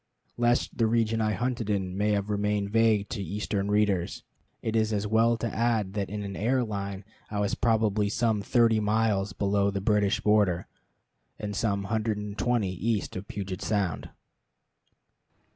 Lest the region I hunted in may have remained vague to Eastern readers, it is as well to add that in an air line I was probably some thirty miles below the British border, and some hundred and twenty east of Puget Sound.